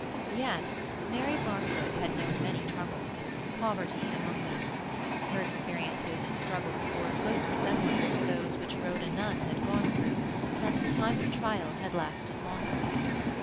Yet Mary Barfoot had known many troubles, poverty among them. Her experiences and struggles bore a close resemblance to those which Rhoda Nunn had gone through, and the time of trial had lasted longer.